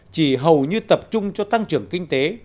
chỉ hầu như tập trung cho tăng trưởng kinh tế